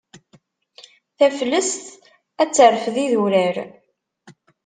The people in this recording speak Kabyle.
Taflest ad d-terfed idurar.